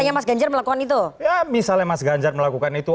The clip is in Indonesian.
termasuk kalau misalnya mas ganjar melakukan itu